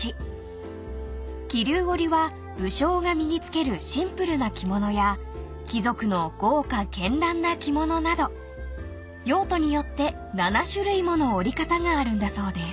［桐生織は武将が身に着けるシンプルな着物や貴族の豪華絢爛な着物など用途によって７種類もの織り方があるんだそうです］